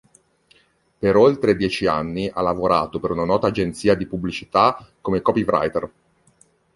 Per oltre dieci anni ha lavorato per una nota agenzia di pubblicità come copywriter.